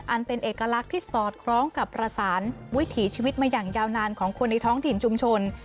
อันเป็นเอกลักษณ์ที่สอดคล้องกับประสานวิถีชีวิตมาอย่างยาวนานของคนในท้องถิ่นชุมชน